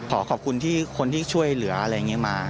ขอขอบคุณที่คนที่ช่วยเหลืออะไรอย่างนี้มา